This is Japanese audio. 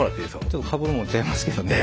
ちょっとかぶるもん違いますけどね。